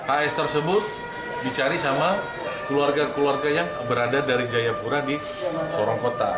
as tersebut dicari sama keluarga keluarga yang berada dari jayapura di sorong kota